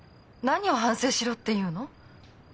何を反省しろって言うの？